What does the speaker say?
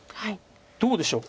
どうでしょう？